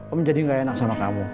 om jadi gak enak sama kamu